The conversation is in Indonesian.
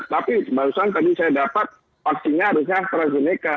tapi barusan tadi saya dapat vaksinnya harusnya astrazeneca